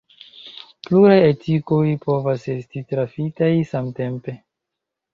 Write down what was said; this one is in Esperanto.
Pluraj artikoj povas esti trafitaj samtempe.